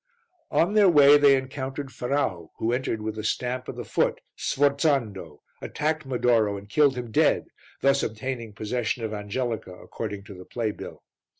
On their way they encountered Ferrau who entered with a stamp of the foot, sforzando, attacked Medoro and killed him dead, thus obtaining possession of Angelica according to the play bill.